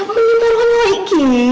kayaknya mantannya itu deh